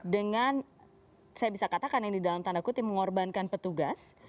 dengan saya bisa katakan ini dalam tanda kutip mengorbankan petugas